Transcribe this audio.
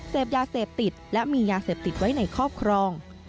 เสพยาเสพติดและมียาเสพติดไว้ในครอบครอง